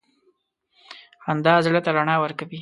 • خندا زړه ته رڼا ورکوي.